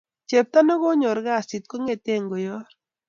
cheptoo ne konyor kasir kongeten koyor kasit